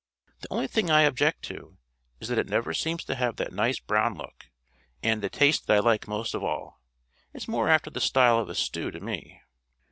The only thing I object to is that it never seems to have that nice brown look, and the taste that I like most of all. It's more after the style of a stew to me."